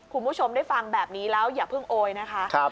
คุณผู้ชมได้ฟังแบบนี้แล้วอย่าเพิ่งโอยนะคะ